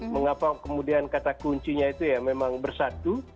mengapa kemudian kata kuncinya itu ya memang bersatu